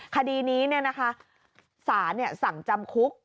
คดีนี้นะคะศาลสั่งจำคุก